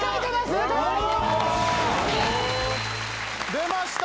出ました！